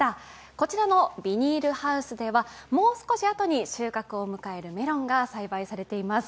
こらちのビニールハウスではもう少しあとに収穫を迎えるメロンが栽培されています。